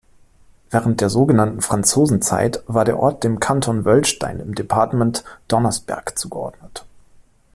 Während der sogenannten Franzosenzeit war der Ort dem Kanton Wöllstein im Departements Donnersberg zugeordnet.